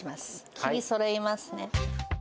切りそろえますね。